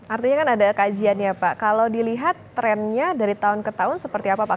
artinya kan ada kajiannya pak kalau dilihat trennya dari tahun ke tahun seperti apa pak